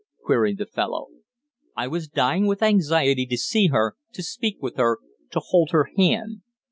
queried the fellow. I was dying with anxiety to see her, to speak with her, to hold her hand.